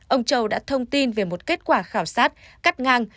ông châu đã thông tin về một kết quả khảo sát cắt ngang